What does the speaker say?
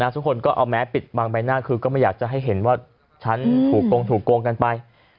ทุกคนก็เอาแม้ปิดบางใบหน้าคือก็ไม่อยากจะให้เห็นว่าฉันถูกโกงถูกโกงกันไป